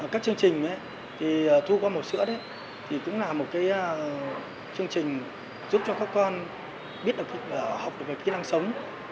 các chương trình thu gom vỏ hộp sữa cũng là một chương trình giúp cho các con biết học về kỹ năng sống